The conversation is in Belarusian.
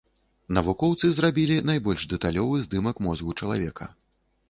Навукоўцы зрабілі найбольш дэталёвы здымак мозгу чалавека.